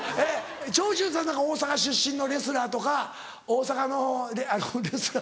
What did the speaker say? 長州さんなんか大阪出身のレスラーとか大阪のあのレスラー。